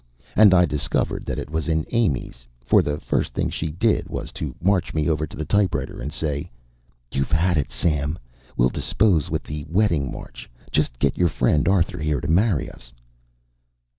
And I discovered that it was in Amy's, for the first thing she did was to march me over to the typewriter and say: "You've had it, Sam. We'll dispose with the wedding march just get your friend Arthur here to marry us."